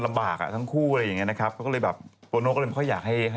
เรื่องกับวี่แฟนเลย